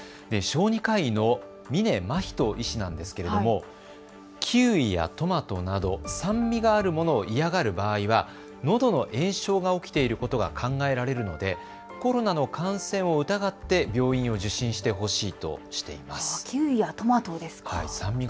小児科医の峯眞人医師なんですけれども、キウイやトマトなど酸味があるものを嫌がる場合はのどの炎症が起きていることが考えられるのでコロナの感染を疑って病院を受診してほしいとしています。